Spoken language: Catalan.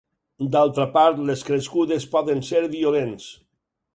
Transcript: D'altra part les crescudes poden ser violents.